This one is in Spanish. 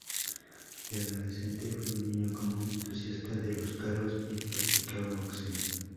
De adolescente, fue un niño común, entusiasta de los carros y practicaba boxeo.